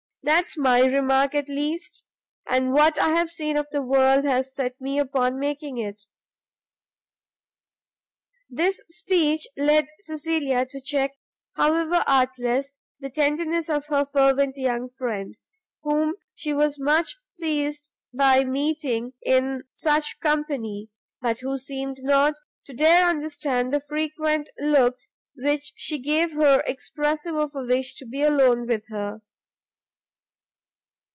That's my remark, at least, and what I've seen of the world has set me upon making it." This speech led Cecilia to check, however artless, the tenderness of her fervent young friend, whom she was much teized by meeting in such company, but who seemed not to dare understand the frequent looks which she gave her expressive of a wish to be alone with her.